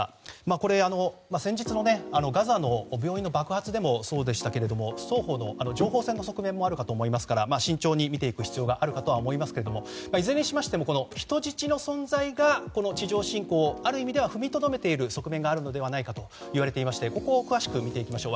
これ、先日のガザの病院の爆発でもそうでしたけれど双方の情報戦の側面もあるかと思いますから慎重に見ていく必要があると思いますがいずれにしましても人質の存在が地上侵攻をある意味では踏みとどめている側面があるのではといわれていましてここを詳しく見ていきましょう。